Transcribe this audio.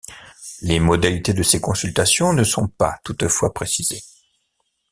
Les modalités de ces consultations ne sont pas toutefois précisées.